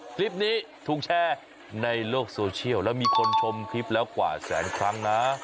คลิปนี้ถูกแชร์ในโลกโซเชียลแล้วมีคนชมคลิปแล้วกว่าแสนครั้งนะ